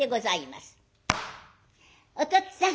「おとっつぁん